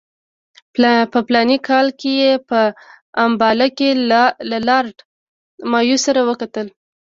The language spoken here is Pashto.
په فلاني کال کې یې په امباله کې له لارډ مایو سره وکتل.